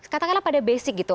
katakanlah pada basic gitu